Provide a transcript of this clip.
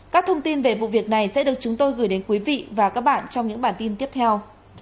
các thông tin về vụ việc này sẽ được chúng tôi gửi đến quý vị và các bạn trong những bản tin tiếp theo